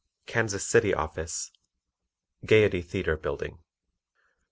KANSAS CITY OFFICE Gayety Theatre Bldg.